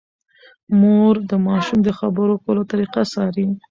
مور د ماشوم د خبرو کولو طریقه څاري۔